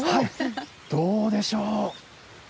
どうでしょう？